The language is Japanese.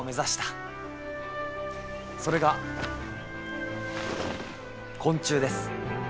それが昆虫です。